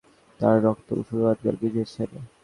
তার নিহত ব্যক্তিটি প্রথম মুশরিক যার রক্ত মুসলমানগণ ঝরিয়েছেন।